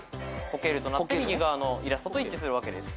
「こける」となって右側のイラストと一致するわけです。